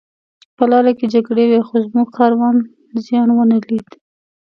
په لاره کې جګړې وې خو زموږ کاروان زیان ونه لید